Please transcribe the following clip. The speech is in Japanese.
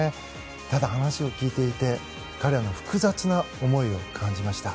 ただ、話を聞いていて彼らの複雑な思いを感じました。